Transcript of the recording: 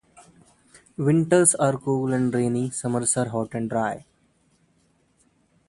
Winters are cool and rainy, summers are hot and dry.